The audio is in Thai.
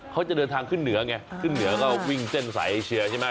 เขาจะเดินทางขึ้นเหนือไงขึ้นเหนือก็วิ่งเส้นสายเอเชียใช่ไหม